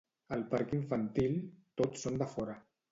Al parc infantil tots són de fora